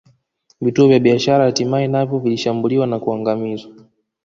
Vituo vya biashara hatimaye navyo vilishambuliwa na kuangamizwa